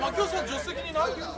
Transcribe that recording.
助手席にいない？